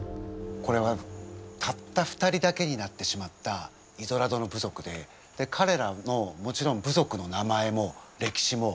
これはたった２人だけになってしまったイゾラドの部族でかれらのもちろん部族の名前も歴史も全く分からない。